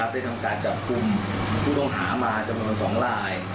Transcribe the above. ได้ทำการจับกลุ่มผู้ต้องหามาจำนวน๒ลาย